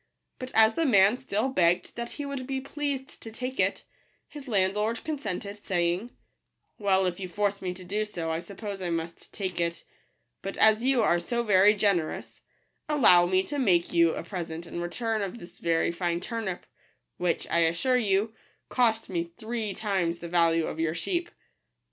But as the man still begged that he would be pleased to take it, his landlord consented, saying, " Well, if you force me to do so, 1 suppose 1 must take it ; but as you are so very generous, allow me to make you a present in return of this very fine turnip, which, I assure you, cost me three times the value of your sheep."